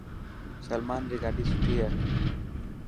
سلمان ري گاڏي سٺي هي.